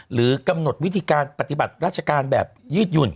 หรือกำหนดวิธีการปฏิบัติราชการแบบยืดหยุ่น